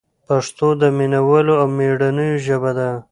پښتو د مینه والو او مېړنیو ژبه ده.